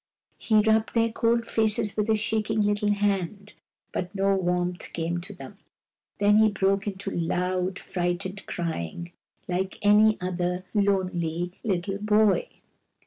He rubbed their cold faces with a shaking little hand, but no warmth came to them. Then he broke into loud, frightened crying, like any other lonely little boy.